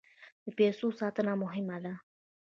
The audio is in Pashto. د پیسو ساتنه مهمه ده.